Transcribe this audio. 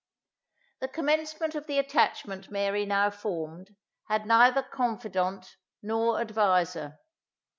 The commencement of the attachment Mary now formed, had neither confident nor adviser.